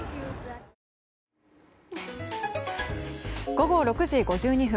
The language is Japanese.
午後６時５２分。